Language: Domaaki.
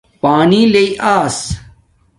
پانی ݵی آیس